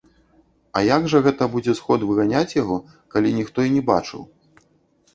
А як жа гэта будзе сход выганяць яго, калі ніхто і не бачыў?